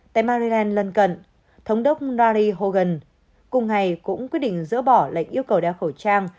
tại maryland lân cận thống đốc larry hogan cùng ngày cũng quyết định dỡ bỏ lệnh yêu cầu đeo khẩu trang